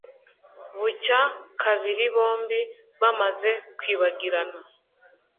bucya kabiri bombi bamaze kwibagirana